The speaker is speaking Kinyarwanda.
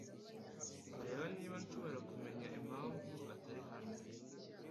Nzareba niba nshobora kumenya impamvu atari hano.